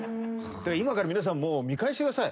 今から皆さんもう見返してください。